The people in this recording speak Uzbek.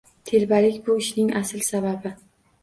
Telbalik bu ishning asl sababi.